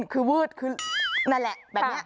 นานุกรมชีวิตอยู่ฉันคือเรื่องคือวืดคือนั่นแหละแบบนี้